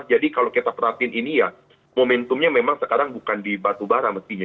kalau kita perhatiin ini ya momentumnya memang sekarang bukan di batubara mestinya